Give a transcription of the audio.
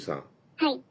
はい。